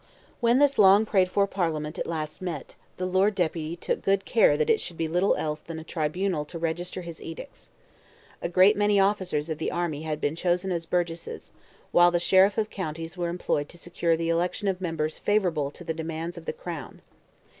When this long prayed for Parliament at last met, the Lord Deputy took good care that it should be little else than a tribunal to register his edicts. A great many officers of the army had been chosen as Burgesses, while the Sheriffs of counties were employed to secure the election of members favourable to the demands of the Crown.